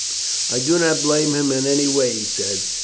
"I do not blame him in any way," he said.